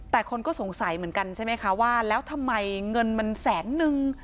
แต่คนก็สงสัยเหมือนกันใช่ไหมคะว่าแล้วทำไมเงินมันแสนนึง